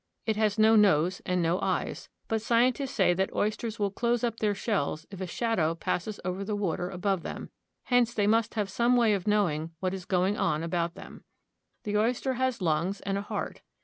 It has no nose and no eyes; but scientists say that oysters will close up their shells if a shadow passes over the water above them ; hence they must have some way of knowing what is going on about them. The oyster has lungs and a heart.